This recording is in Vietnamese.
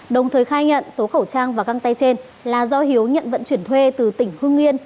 đồng thời khai nhận số khẩu trang và găng tay trên là do hiếu nhận vận chuyển thuê từ tỉnh hương yên